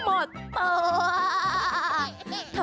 บอสไม่โจมตาไม่โจมตาไม่โจมตา